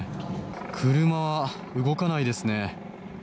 車は動かないですね。